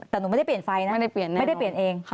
แต่หนูไม่ได้เปลี่ยนไฟนะไม่ได้เปลี่ยนเอง